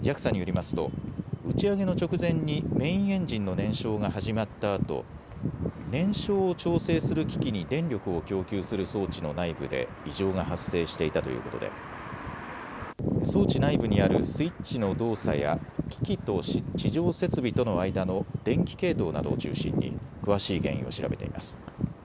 ＪＡＸＡによりますと打ち上げの直前にメインエンジンの燃焼が始まったあと燃焼を調整する機器に電力を供給する装置の内部で異常が発生していたということで装置内部にあるスイッチの動作や機器と地上設備との間の電気系統などを中心に詳しい原因を調べています。